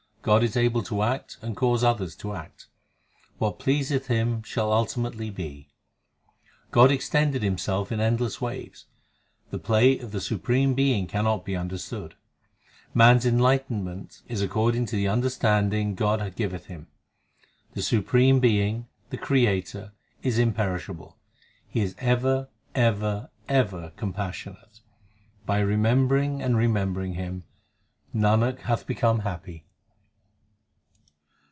God is able to act and cause others to act ; What pleaseth Him shall ultimately be. God extended Himself in endless waves ; The play of the Supreme Being cannot be understood. Man s enlightenment is according to the understanding God giveth him. The Supreme Being, the Creator, is imperishable ; He is ever, ever, ever compassionate : By remembering and remembering Him, Nanak hath become happy.